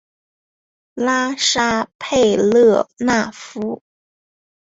拉沙佩勒纳夫。